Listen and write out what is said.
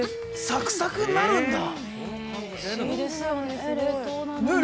◆サクサクになるんだ。